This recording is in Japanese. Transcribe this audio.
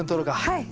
はい。